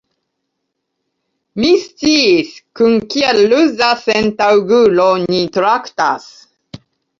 Mi sciis, kun kia ruza sentaŭgulo ni traktas.